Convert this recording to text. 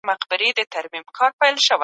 تکلیف پرته راحت نسته.